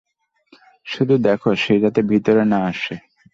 শুধু দেখ সে যাতে ভিতরে না আসে।